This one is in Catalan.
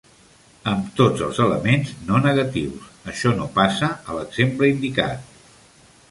Amb tots els elements no negatius, això no passa a l'exemple indicat.